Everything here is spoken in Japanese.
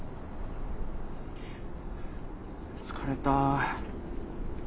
疲れた。